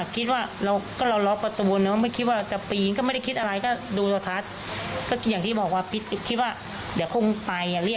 ของหนูของพี่